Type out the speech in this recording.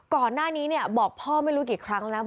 ก่อนหน้านี้บอกพ่อไม่รู้กี่ครั้งแล้วนะ